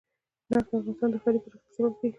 نفت د افغانستان د ښاري پراختیا سبب کېږي.